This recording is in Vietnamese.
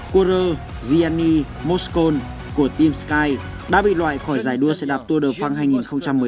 quarer gianni moscon của team sky đã bị loại khỏi giải đua xe đạp tour de france hai nghìn một mươi tám